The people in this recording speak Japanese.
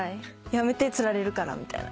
やめてつられるからみたいな。